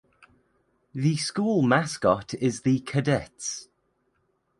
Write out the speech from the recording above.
The school mascot is the Cadets.